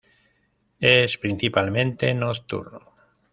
Es principalmente nocturno.